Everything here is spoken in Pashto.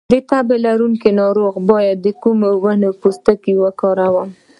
د تبه لرونکي ناروغ لپاره د کومې ونې پوستکی وکاروم؟